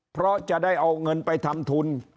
เพราะจะได้เอาเงินไปทำทุน